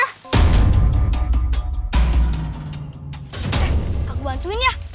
eh aku bantuin ya